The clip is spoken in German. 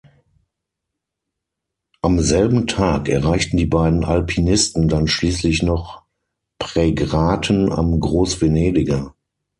Am selben Tag erreichten die beiden Alpinisten dann schließlich noch Prägraten am Großvenediger.